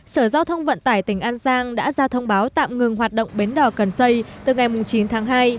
sở giao thông vận tải tỉnh an giang đã ra thông báo tạm ngừng hoạt động bến đỏ cần xây từ ngày chín tháng hai